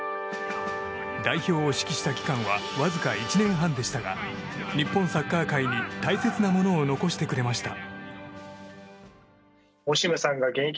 代表を指揮した期間はわずか１年半でしたが日本サッカー界に大切なものを残してくれました。